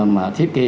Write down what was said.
mà thiết kế